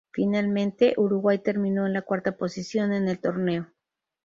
Finalmente, Uruguay terminó en la cuarta posición en el torneo.